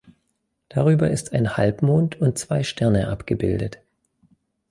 Darüber ist ein Halbmond und zwei Sterne abgebildet.